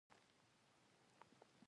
د موګابي رژیم فاسد او ځپونکی و.